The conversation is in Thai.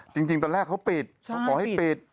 จริงตอนแรกเขาปิดเขาขอให้ปิด